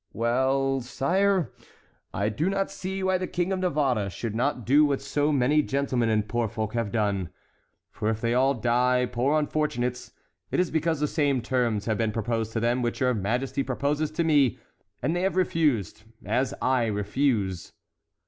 "Well, sire, I do not see why the King of Navarre should not do what so many gentlemen and poor folk have done. For if they all die, poor unfortunates, it is because the same terms have been proposed to them which your Majesty proposes to me, and they have refused, as I refuse."